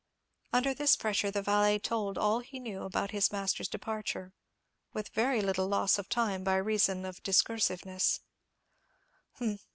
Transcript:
Under this pressure the valet told all he knew about his master's departure, with very little loss of time by reason of discursiveness.